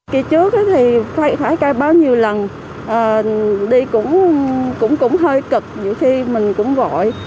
kỳ trước thì phải khai báo nhiều lần đi cũng hơi cực nhiều khi mình cũng vội